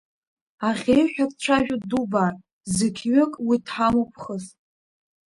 Аӷьеҩ ҳәа дцәажәоит дубар, зықьҩык уи дҳамоуп хыс.